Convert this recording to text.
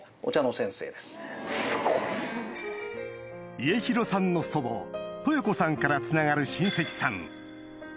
家広さんの祖母豊子さんからつながる親戚さん